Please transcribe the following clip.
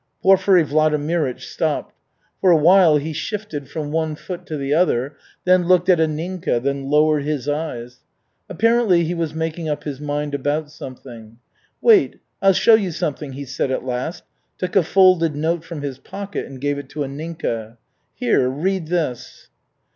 '" Porfiry Vladimirych stopped. For a while he shifted from one foot to the other, then looked at Anninka, then lowered his eyes. Apparently he was making up his mind about something. "Wait, I'll show you something," he said at last, took a folded note from his pocket and gave it to Anninka. "Here, read this."